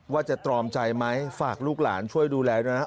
ว่าจะตรอมใจไหมฝากลูกหลานช่วยดูแลดูนะ